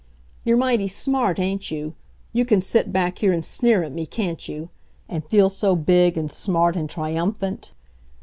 "You're mighty smart, ain't you? You can sit back here and sneer at me, can't you? And feel so big and smart and triumphant!